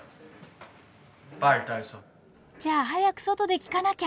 じゃあ早く外で聴かなきゃ。